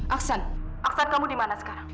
aksan aksan kamu dimana sekarang